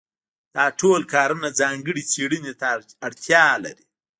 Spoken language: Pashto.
دا ټول کارونه ځانګړې څېړنې ته اړتیا لري.